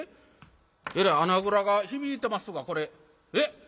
えらい穴蔵が響いてますがこれえっ？